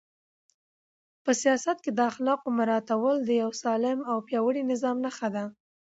په سیاست کې د اخلاقو مراعاتول د یو سالم او پیاوړي نظام نښه ده.